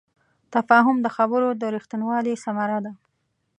تفاهم د خبرو د رښتینوالي ثمره ده.